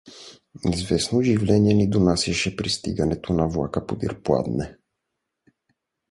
Известно оживление ни донасяше пристигането на влака подир пладне.